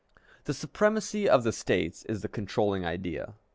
The supremacy of the States is the controlling idea.